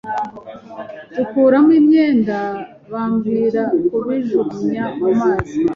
dukuramo imyenda bambwira kubijugunya mu ruzi